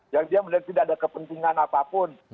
yang dia melihat tidak ada kepentingan apapun